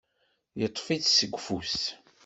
Yeṭṭef-itt seg ufus.